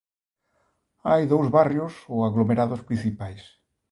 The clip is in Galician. Hai dous barrios ou aglomerados principais.